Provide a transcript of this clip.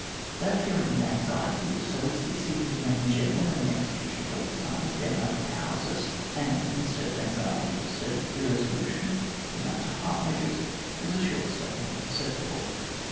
That feeling of anxiety which so easily seizes men in general in the execution of great designs, then over powers us, and from this state of anxiety to a state of irresolution, from that to half measures, is a short step not per ceptible.